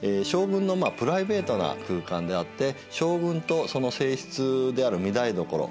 将軍のまあプライベートな空間であって将軍とその正室である御台所。